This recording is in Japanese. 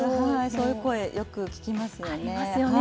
そういう声よく聞きますよね。ありますよね。